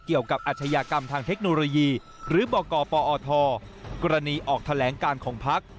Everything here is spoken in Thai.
อาชญากรรมทางเทคโนโลยีหรือบกปอทกรณีออกแถลงการของพัก